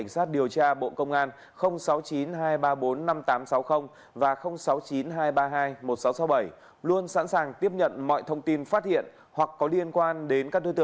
xin chào tạm biệt và hẹn gặp lại